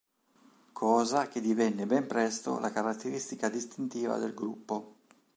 Cosa che divenne ben presto la caratteristica distintiva del gruppo.